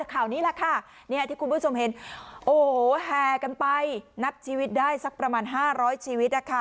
ข่าวนี้แหละค่ะที่คุณผู้ชมเห็นโอ้โหแห่กันไปนับชีวิตได้สักประมาณ๕๐๐ชีวิตนะคะ